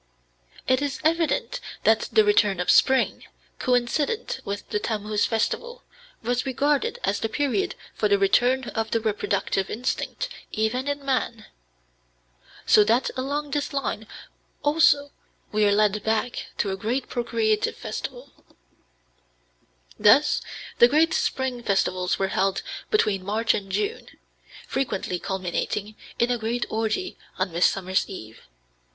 It is evident that the return of spring, coincident with the Tammuz festival, was regarded as the period for the return of the reproductive instinct even in man. So that along this line also we are led back to a great procreative festival. Thus the great spring festivals were held between March and June, frequently culminating in a great orgy on Midsummer's Eve.